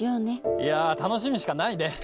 いや楽しみしかないね！